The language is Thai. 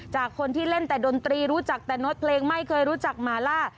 จากคนที่เล่นแต่ดนตรีรู้จักแต่นดเพลงไม่เคยรู้จักหมาล่า